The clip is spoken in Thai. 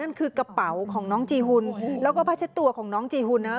เหมือนตัวแทนของน้องอะไรอย่างนี้ค่ะ